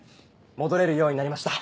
戻れるようになりました。